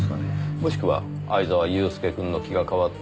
もしくは藍沢祐介くんの気が変わって。